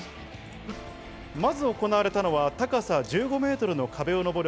まず行われたのは高さ１５ｍの壁を登る